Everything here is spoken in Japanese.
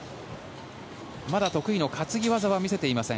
まだ得意の担ぎ技は見せていません。